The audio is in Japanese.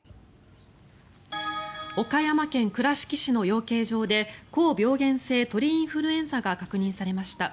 岡山県倉敷市の養鶏場で高病原性鳥インフルエンザが確認されました。